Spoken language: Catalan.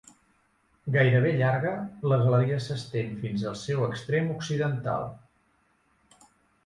Gairebé llarga, la galeria s'estén fins al seu extrem occidental.